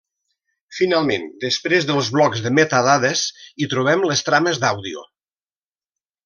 Finalment, després dels blocs de metadades hi trobem les trames d'àudio.